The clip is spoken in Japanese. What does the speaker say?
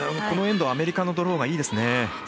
このエンドはアメリカのドローがいいですね。